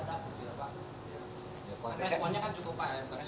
responnya kan cukup